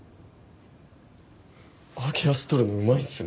揚げ足取るのうまいっすね。